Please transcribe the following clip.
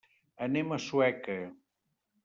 Anem a Sueca.